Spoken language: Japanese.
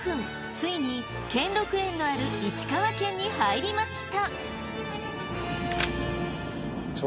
ついに兼六園のある石川県に入りました。